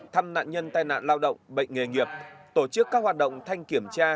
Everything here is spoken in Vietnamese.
thăm nạn nhân tai nạn lao động bệnh nghề nghiệp tổ chức các hoạt động thanh kiểm tra